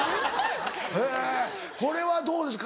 へぇこれはどうですか？